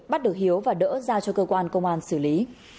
bắt được hiếu và đỡ ra cho cơ quan công an xử lý